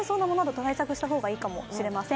対策した方がいいかもしれません。